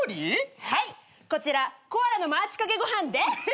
はいこちらコアラのマーチかけご飯です。